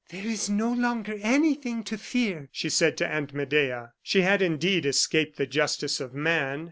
"There is no longer anything to fear," she said to Aunt Medea. She had, indeed, escaped the justice of man.